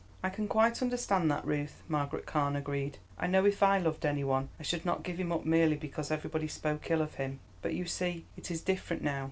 "I can quite understand that, Ruth," Margaret Carne agreed. "I know if I loved any one I should not give him up merely because everybody spoke ill of him. But, you see, it is different now.